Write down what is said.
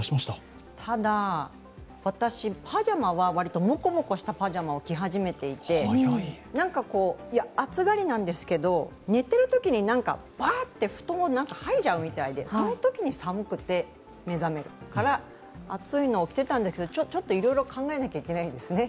ただ、私、パジャマは割ともこもことしたパジャマを着始めていて、なんか暑がりなんですけど寝てるときにパーッて布団をはいじゃうみたいでそのときに寒くて目覚めるから、厚いのを着てたんですけどちょっといろいろ考えないといけないですね。